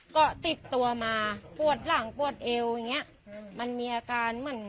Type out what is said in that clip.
ก็ติดตัวมาปวดหลังปวดเอวอย่างเงี้ยมันมีอาการเหมือน